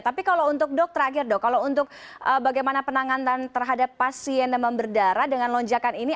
tapi kalau untuk dokter akhir dok kalau untuk bagaimana penanganan terhadap pasien yang memberdarah dengan lonjakan ini